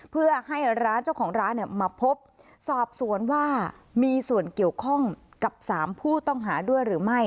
เพื่อให้ร้านเจ้าของร้านมาพบสอบสวนว่ามีส่วนเกี่ยวข้องกับ๓ผู้ต้องหาด้วยหรือไม่